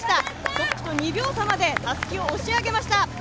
トップと２秒差までたすきを押し上げました。